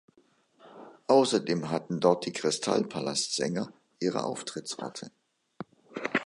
Außerdem hatten dort die Krystallpalast-Sänger ihre Auftrittsorte.